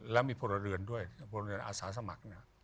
แล้วมีพลเรือนด้วยพลเรือนอาสาสมัคร